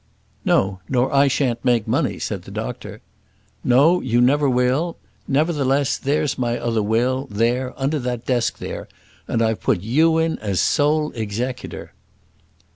"No, nor I shan't make money," said the doctor. "No, you never will. Nevertheless, there's my other will, there, under that desk there; and I've put you in as sole executor."